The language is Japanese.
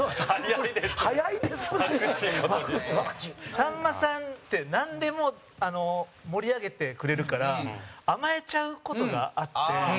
さんまさんってなんでも盛り上げてくれるから甘えちゃう事があって。